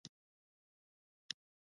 په کابل کې د ماسټرۍ په تحصیل بوخت دی.